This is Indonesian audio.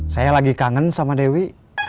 saya lagi kangen sama dewi